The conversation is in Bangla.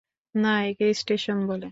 না, একে টেনশন বলে।